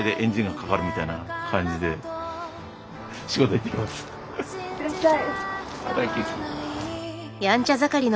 いってらっしゃい。